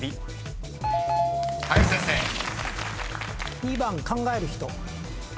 ２番考える人。